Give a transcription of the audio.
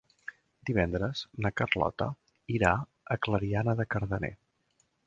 Divendres na Carlota irà a Clariana de Cardener.